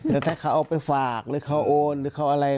แล้วถ้าเขาเอาไปฝากหรือเขาโอนหรือเขาอะไร